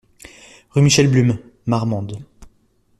Rue Michel Blum, Marmande